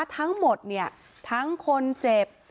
ทั้งหมดเนี่ยทั้งคนเจ็บ